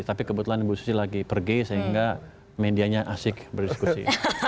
tapi kebetulan ibu susi lagi pergi sehingga medianya asik berdiskusi